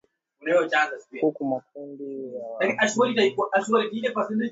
huku makundi ya wanajihadi yenye uhusiano na al Qaeda na kundi la dola ya Kiislamu